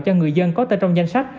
cho người dân có tên trong danh sách